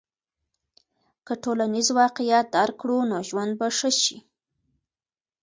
که ټولنیز واقعیت درک کړو نو ژوند به ښه سي.